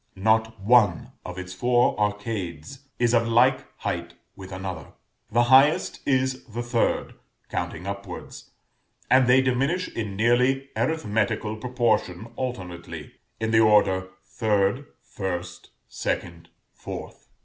Not one of its four arcades is of like height with another. The highest is the third, counting upwards; and they diminish in nearly arithmetical proportion alternately; in the order 3rd, 1st, 2nd, 4th.